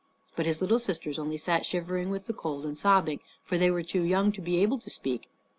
But his little sisters only sat shivering with the cold, and sobbing, for they were too young to be able to speak.